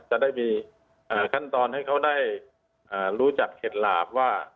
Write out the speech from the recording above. จะได้มีขั้นตอนให้เขาได้รู้จักเข็ดหลาบว่า